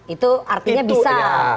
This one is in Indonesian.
itu artinya bisa